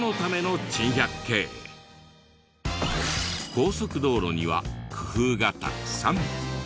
高速道路には工夫がたくさん。